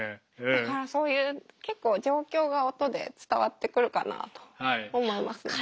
だからそういう結構状況が音で伝わってくるかなと思いますね。